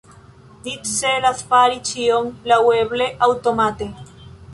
Ni celas fari ĉion laŭeble aŭtomate.